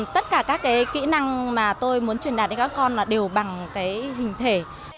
tất cả các cái kỹ năng mà tôi muốn truyền đạt đến các con là đều bằng cái hình thể